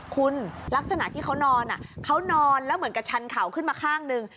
คุณลักษณะที่เขานอนเขานอนแล้วเหมือนกับชันเข่าขึ้นมาข้างหนึ่ง